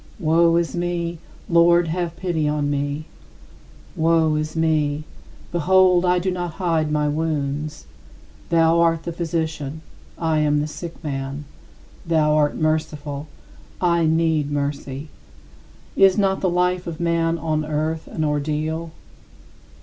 Woe is me! Lord, have pity on me. Woe is me! Behold, I do not hide my wounds. Thou art the Physician, I am the sick man; thou art merciful, I need mercy. Is not the life of man on earth an ordeal?